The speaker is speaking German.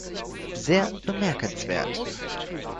Sehr bemerkenswert!